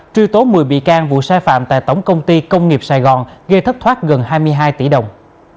truy tố một mươi bị can vụ sai phạm tại tổng công ty công nghiệp sài gòn gây thất thoát gần hai mươi hai tỷ đồng